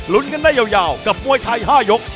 กันได้ยาวกับมวยไทย๕ยก